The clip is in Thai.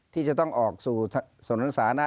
ที่จะต้องออกสู่ถนนสาธารณะ